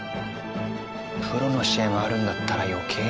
プロの試合もあるんだったら余計に。